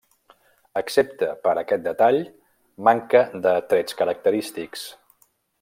Excepte per aquest detall, manca de trets característics.